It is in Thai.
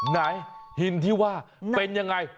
ไหนหินที่ว่าเป็นยังไง